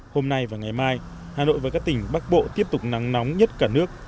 hôm nay và ngày mai hà nội và các tỉnh bắc bộ tiếp tục nắng nóng nhất cả nước